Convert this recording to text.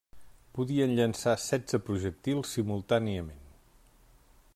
Podien llançar setze projectils simultàniament.